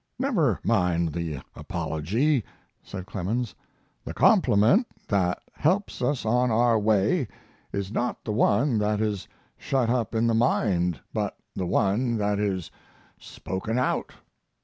"Never mind the apology," said Clemens. "The compliment that helps us on our way is not the one that is shut up in the mind, but the one that is spoken out."